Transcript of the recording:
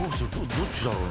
どっちだろうね？